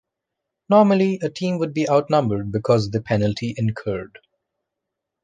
Normally, a team would be outnumbered because of a penalty incurred.